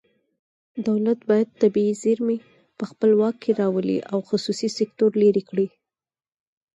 دولت باید طبیعي زیرمې په خپل واک کې راولي او خصوصي سکتور لرې کړي